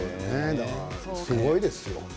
すごいですよ